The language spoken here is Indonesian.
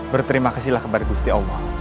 berterima kasihlah kepada gusti allah